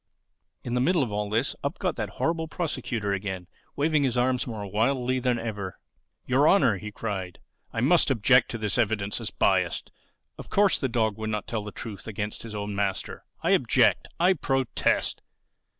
In the middle of all this up got that horrible Prosecutor again, waving his arms more wildly than ever. "Your Honor," he cried, "I must object to this evidence as biased. Of course the dog would not tell the truth against his own master. I object. I protest."